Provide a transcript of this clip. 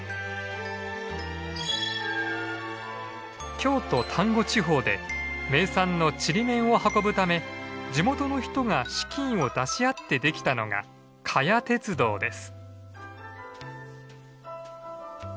京都丹後地方で名産のちりめんを運ぶため地元の人が資金を出し合ってできたのが加悦鉄道です。